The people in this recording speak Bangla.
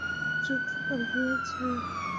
দ্রুত চালিয়ো না।